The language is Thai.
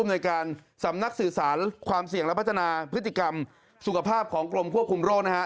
ในการสำนักสื่อสารความเสี่ยงและพัฒนาพฤติกรรมสุขภาพของกรมควบคุมโรคนะฮะ